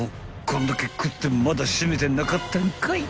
こんだけ食ってまだシメてなかったんかい！］